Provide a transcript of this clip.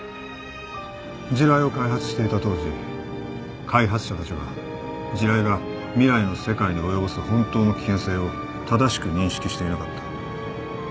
地雷を開発していた当時開発者たちは地雷が未来の世界に及ぼす本当の危険性を正しく認識していなかった。